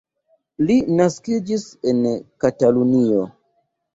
Li naskiĝis en Katalunio.